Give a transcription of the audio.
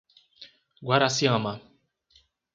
Guaraciama